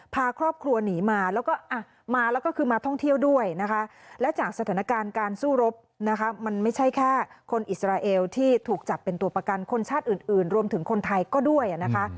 พาครอบครัวหนีมาแล้วก็มาแล้วก็คือมาท่องเที่ยวด้วยนะคะและจากสถานการณ์การสู้รบนะคะมันไม่ใช่แค่คนอิสราเอลที่ถูกจับเป็นตัวประกันคนชาติอื่นรวมถึงคนไทยก็ด้วยนะคะ